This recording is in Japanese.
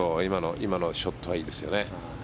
今のショットはいいですよね。